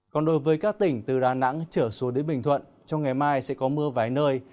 còn đối với các tỉnh từ đà nẵng trở xuống đến bình thuận trong ngày mai sẽ có mưa vài nơi